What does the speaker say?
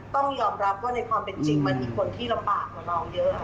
ต้องยอมรับว่าในความเป็นจริงมันมีคนที่ลำบากกว่าเราเยอะ